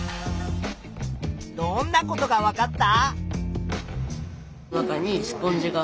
どんなことがわかった？